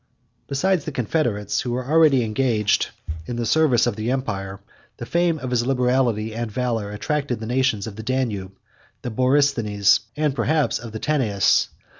Besides the confederates, who were already engaged in the service of the empire, the fame of his liberality and valor attracted the nations of the Danube, the Borysthenes, and perhaps of the Tanais.